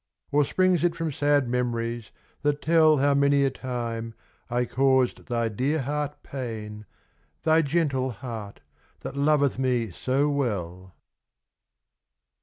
Or springs it from sad memories that tell How many a time I caused thy dear heart pain, Thy gentle heart, that loveth me so well!